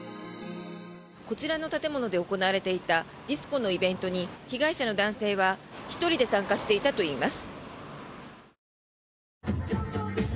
こちらの建物で行われていたディスコのイベントに被害者の男性は１人で参加していたといいます。